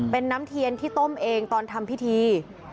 เป็นน้ำเทียนที่ต้มเองตอนทำพิธี